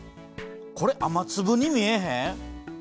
これ雨つぶに見えへん？